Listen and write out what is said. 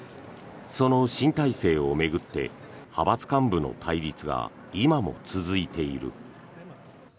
その新体制を巡って派閥幹部の対立が今も続いている。